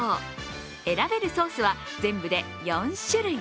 選べるソースは全部で４種類。